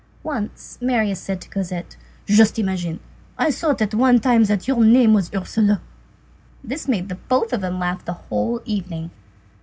Once Marius said to Cosette:— "Just imagine, I thought at one time that your name was Ursule." This made both of them laugh the whole evening.